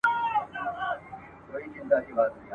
ډېر به دي رقیبه جهاني د سترګو غشی وي !.